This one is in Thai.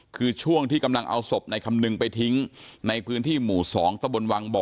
คือช่วงที่กำลังเอาศพในคำนึงไปทิ้งในพื้นที่หมู่๒ตะบนวังบ่อ